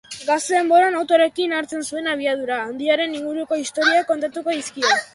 Gazte denboran autoarekin hartzen zuen abiadura handiaren inguruko istorioak kontatuko dizkio.